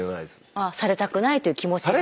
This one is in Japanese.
ああされたくないという気持ちがあって。